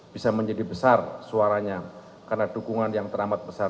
bisa menjadi besar suaranya karena dukungan yang teramat besar